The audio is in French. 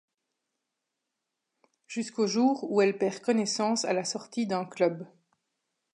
Jusqu’au jour où elle perd connaissance à la sortie d’un club.